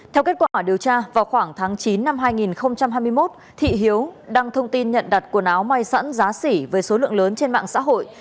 theo kết quả điều tra vào khoảng tháng chín năm hai nghìn hai mươi một thị hiếu đăng thông tin nhận đặt quần áo may sẵn giá xỉ với số lượng lớn trên mạng xã hội